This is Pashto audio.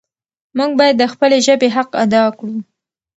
موږ باید د خپلې ژبې حق ادا کړو.